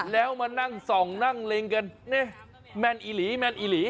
แล้วมานั่งสองนั่งเล็งกันแม่นอีหรี